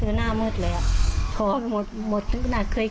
เรามีที่บ้านต้องดูแล